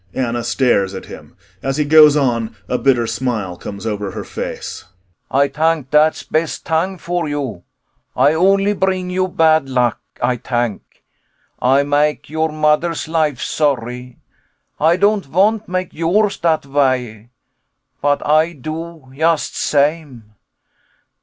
[ANNA stares at him. As he goes on, a bitter smile comes over her face.] Ay tank dat's best tang for you. Ay only bring you bad luck, Ay tank. Ay make your mo'der's life sorry. Ay don't vant make yours dat way, but Ay do yust same.